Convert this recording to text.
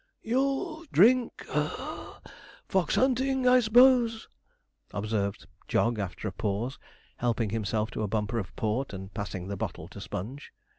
'You'll drink (puff) fox hunting, I s'pose,' observed Jog after a pause, helping himself to a bumper of port and passing the bottle to Sponge.